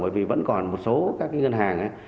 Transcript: bởi vì vẫn còn một số các ngân hàng